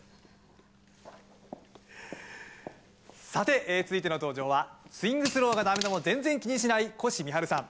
さて続いての登場はスゥイング・スローが駄目でも全然気にしないコシミハルさん。